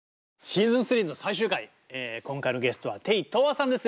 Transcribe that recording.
シーズン３の最終回今回のゲストはテイ・トウワさんです。